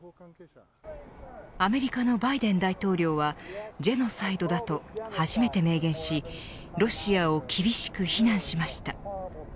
アメリカのバイデン大統領はジェノサイドだと初めて明言し、ロシアを厳しく非難しました。